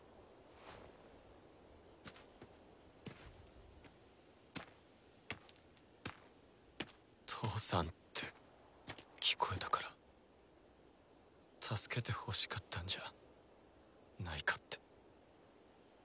ピッ「父さん」って聞こえたから助けてほしかったんじゃないかって。